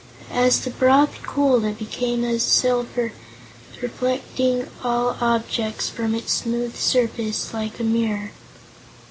As the broth cooled it became as silver, reflecting all objects from its smooth surface like a mirror.